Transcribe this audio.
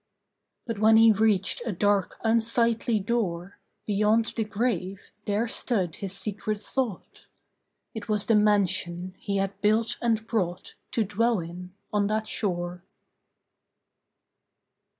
But when he reached a dark unsightly door Beyond the grave, there stood his secret thought. It was the mansion he had built and brought To dwell in, on that shore.